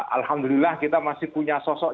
alhamdulillah kita masih punya sosok